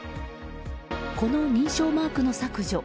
この認証マークの削除。